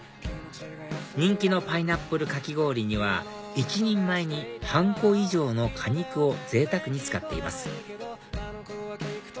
人気のパイナップルかき氷には１人前に半個以上の果肉をぜいたくに使っています